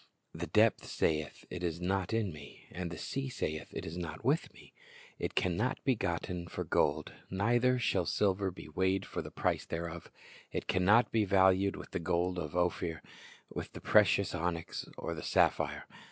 "The depth saith, It is not in me; And the sea saith, It is not with me. It can not be gotten for gold, Neither shall silver be weighed for the price thereof. It can not be valued with the gold of Ophir, With the precious cnyx, or the sapphire.